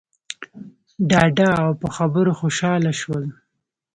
ډاډه او په خبرو خوشحاله شول.